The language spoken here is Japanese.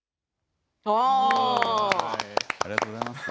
ありがとうございます。